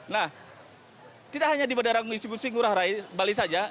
nah tidak hanya di bandara ngurah rai bali saja